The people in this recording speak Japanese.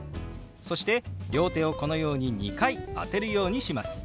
そして両手をこのように２回当てるようにします。